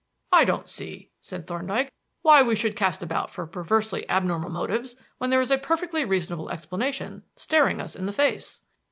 "I don't see," said Thorndyke, "why we should cast about for perversely abnormal motives when there is a perfectly reasonable explanation staring us in the face."